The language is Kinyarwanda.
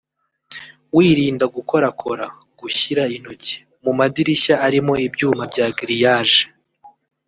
wirinda gukorakora (gushyira intoki) mu madirishya arimo ibyuma bya grillage